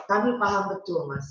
kami paham betul mas